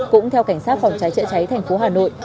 cũng theo cảnh sát phòng cháy chữa cháy thành phố hà nội